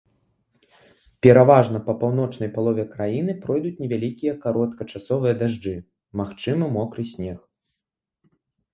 Пераважна па паўночнай палове краіны пройдуць невялікія кароткачасовыя дажджы, магчымы мокры снег.